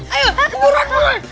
ayo turun turun